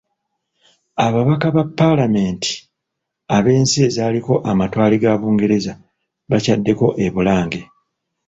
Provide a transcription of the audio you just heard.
Ababaka ba Paalamenti ab'ensi ezaaliko amatwale ga Bungereza bakyaddeko e Bulange.